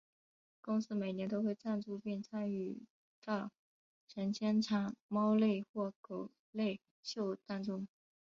公司每年都会赞助并参与到成千场猫类或狗类秀当中。